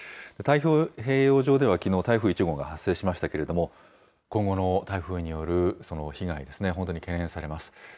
太平洋上では、きのう、台風１号が発生しましたけれども、今後の台風によるその被害、本当に懸念されます。